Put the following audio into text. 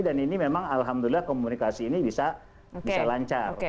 dan ini memang alhamdulillah komunikasi ini bisa lancar